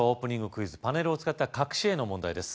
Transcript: クイズパネルを使った隠し絵の問題です